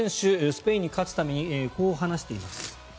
スペインに勝つためにこう話しています。